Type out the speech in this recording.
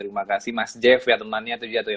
terima kasih mas jeff ya temannya